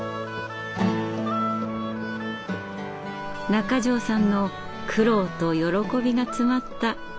中條さんの苦労と喜びが詰まったお米です。